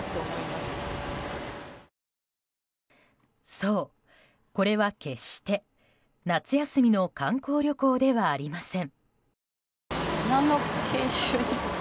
そう、これは決して夏休みの観光旅行ではありません。